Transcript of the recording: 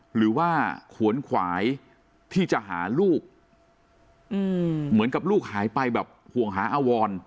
หรือว่าขวนขวายที่จะหาลูกเหมือนกับลูกหายไปแบบห่วงหาอวร